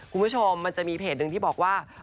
คุณผู้ชมมันจะมีเพจหนึ่งที่บอกว่า